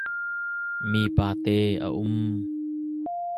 Mipa te a um.